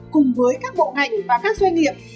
cùng với các bộ ngành và các doanh nghiệp